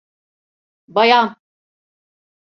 Bayan!